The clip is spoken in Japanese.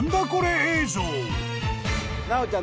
奈央ちゃん